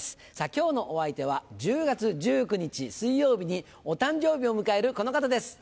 今日のお相手は１０月１９日水曜日にお誕生日を迎えるこの方です。